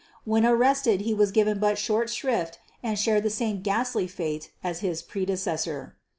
When arrested he was given but short shrift and shared the same ghastly fate as his predecessor.